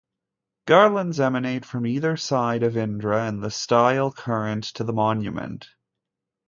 Garlands emanate from either side of Indra in the style current to the monument.